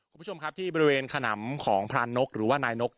คุณผู้ชมครับที่บริเวณขนำของพรานนกหรือว่านายนก